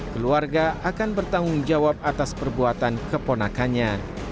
keluarga akan bertanggung jawab atas perbuatan keponakannya